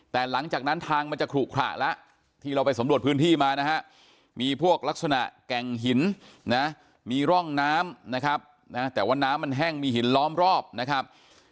แต่หลังจากนั้นทางมันจะขลุขระแล้วที่เราไปสำรวจพื้นที่มานะฮะมีพวกลักษณะแก่งหินนะมีร่องน้ำนะครับนะแต่ว่าน้ำมันแห้งมีหินล้อมรอบนะครับ